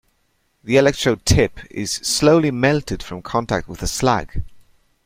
The electrode tip is slowly melted from contact with the slag.